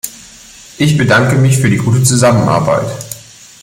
Ich bedanke mich für die gute Zusammenarbeit.